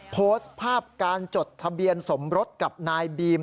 โพสต์ภาพการจดทะเบียนสมรสกับนายบีม